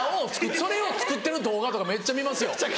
それを作ってる動画とかめっちゃ見ますよ。